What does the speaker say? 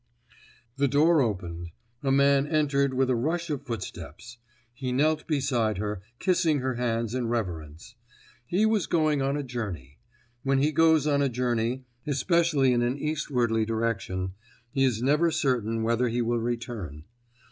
The door opened; a man entered with a rush of footsteps. He knelt beside her, kissing her hands in reverence. He was going on a journey. When he goes on a journey, especially in an eastwardly direction, he is never certain whether he will return.